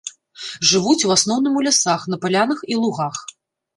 Жывуць у асноўным у лясах, на палянах і лугах.